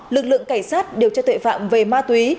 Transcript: lực lượng cảnh sát điều tra tuệ phạm về ma túy